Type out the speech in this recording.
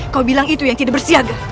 kau bilang itu yang tidak bersiaga